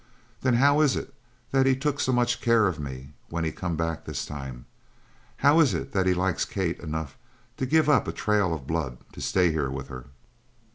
Then how is it that he took so much care of me when he come back this time? How is it that he likes Kate, enough to give up a trail of blood to stay here with her?"